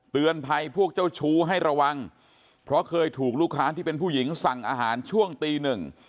เตือนภัยพวกเจ้าชู้ให้ระวังเพราะเคยถูกลูกค้าที่เป็นผู้หญิงสั่งอาหารช่วงตีหนึ่ง